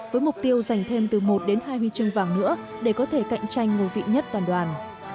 với mục tiêu giành thêm từ một đến hai huy chương vàng nữa để có thể cạnh tranh ngôi vị nhất toàn đoàn